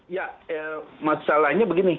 ya masalahnya begini